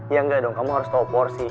ya gak dong kamu harus tau porsi